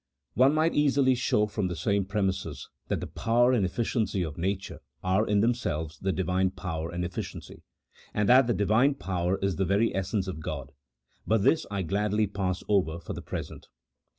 One might easily show from the same premises that the power and efficiency of nature are in themselves the Divine power and efficiency, and that the Divine power is the very essence of God, but this I gladly pass over for the present.